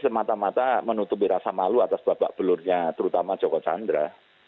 semata mata menutupi rasa malu atas bapak belurnya terutama joko chandra